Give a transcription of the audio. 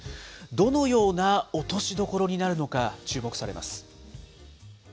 どのような落としどころになるのか、注目されます。